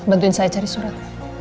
bantuin saya cari surat